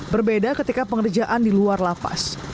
berbeda ketika pengerjaan di luar lapas